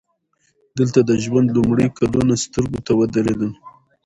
دلته د ژوند لومړي کلونه سترګو ته ودرېدل